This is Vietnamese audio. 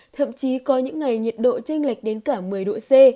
thậm chí có những ngày nhiệt độ tranh lệch đến cả một mươi độ c